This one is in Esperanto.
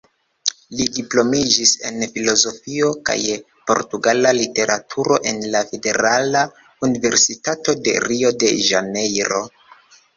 Li diplomiĝis en filozofio kaj portugala literaturo en la Federala Universitato de Rio-de-Ĵanejro.